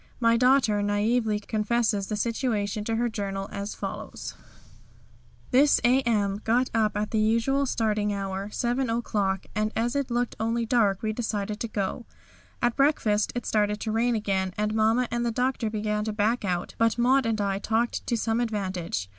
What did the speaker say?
My daughter naively confesses the situation to her journal as follows: "This A.M. Got up at the usual starting hour, 7 o'clock, and as it looked only dark we decided to go. At breakfast it started to rain again and Mamma and the Doctor began to back out, but Maud and I talked to some advantage.